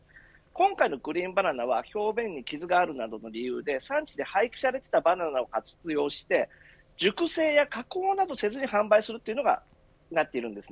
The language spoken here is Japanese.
今回のグリーンバナナは、表面に傷があるなどの理由で産地で廃棄されていたバナナを活用して、熟成や加工などをせずに販売するというふうになっています。